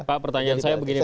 pak pertanyaan saya begini